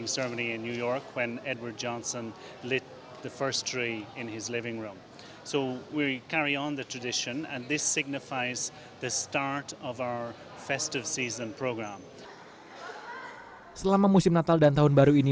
selama musim natal dan tahun baru ini